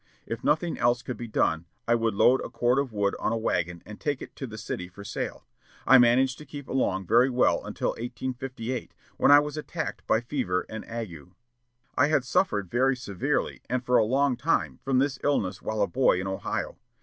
If nothing else could be done, I would load a cord of wood on a wagon and take it to the city for sale. I managed to keep along very well until 1858, when I was attacked by fever and ague. I had suffered very severely and for a long time from this disease while a boy in Ohio.